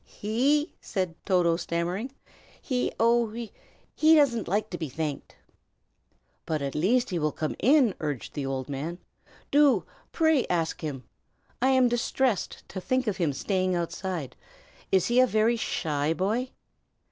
"He?" said Toto, stammering. "He oh he he doesn't like to be thanked." "But at least he will come in!" urged the old man. "Do, pray, ask him! I am distressed to think of his staying outside. Is he a very shy boy?"